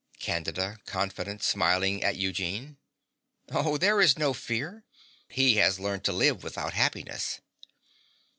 CANDIDA (confident, smiling at Eugene). Oh, there is no fear. He has learnt to live without happiness.